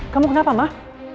kamu kenapa mah